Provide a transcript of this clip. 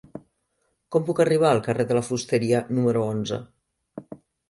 Com puc arribar al carrer de la Fusteria número onze?